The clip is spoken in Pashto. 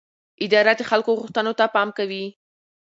اداره د خلکو غوښتنو ته پام کوي.